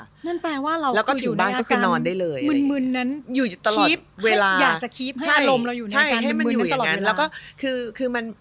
นั่นแปลว่าเราก็อยู่ในอาการมึนมึนนั้นอยู่ตลอดเวลาอยากจะคลิปให้อารมณ์เราอยู่ในอาการมึนนั้นตลอดเวลา